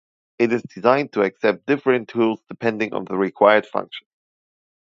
It is designed to accept different tools depending on the required function.